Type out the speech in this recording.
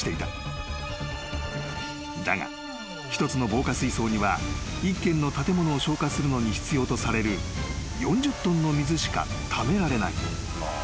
［だが一つの防火水槽には１軒の建物を消火するのに必要とされる４０ｔの水しかためられない］